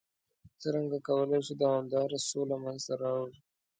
څرنګه کولای شو دوامداره سوله منځته راوړ؟